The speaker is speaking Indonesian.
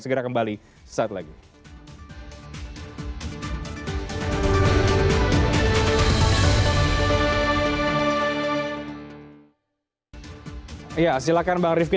segera kembali sesaat lagi